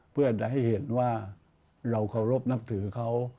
เพื่อจะให้เห็นว่าเราเคารพนับถือเขา